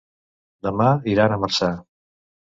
Demà iran a Marçà.